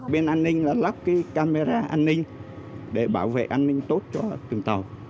bên an ninh là lắp cái camera an ninh để bảo vệ an ninh tốt cho từng tàu